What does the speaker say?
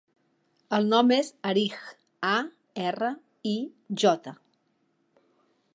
El nom és Arij: a, erra, i, jota.